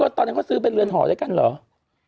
ตอนนั้นเขาซื้อเป็นเรือนหอด้วยกันเหรอ